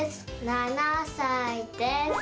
７さいです。